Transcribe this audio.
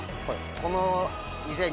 この。